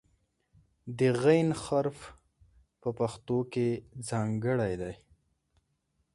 د "غ" حرف په پښتو کې ځانګړی دی.